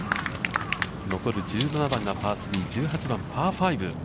残る１７番がパー３、１８番、パー５。